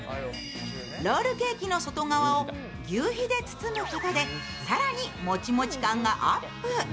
ロールケーキの外側をぎゅうひで包むことで更にもちもち感がアップ。